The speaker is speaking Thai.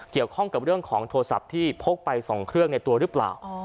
เกี่ยวข้องกับเรื่องของโทรศัพท์ที่พกไป๒เครื่องในตัวหรือเปล่า